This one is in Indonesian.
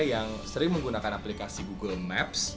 yang sering menggunakan aplikasi google maps